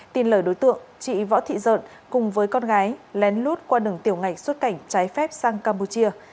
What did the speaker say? tin lời đối tượng chị võ thị giợn cùng với con gái lén lút qua đường tiểu ngạch xuất cảnh trái phép sang campuchia